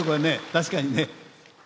確かにね。